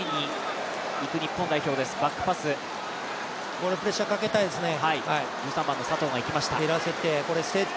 ここでプレッシャーかけたいですね。